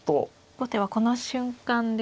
後手はこの瞬間ですね。